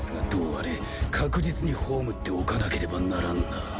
あれ確実に葬っておかなければならんな。